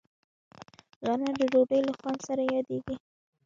غرمه د ډوډۍ له خوند سره یادیږي